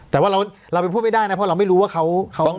แต่ว่าเราไปพูดไม่ได้ว่าเราไม่รู้ว่าเขาต้องกลัวแล้ว